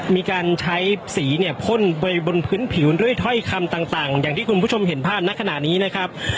มีการใช้สีเนี่ยพ่นไปบนพื้นผิวด้วยถ้อยคำต่างอย่างที่คุณผู้ชมเห็นภาพณขณะนี้นะครับ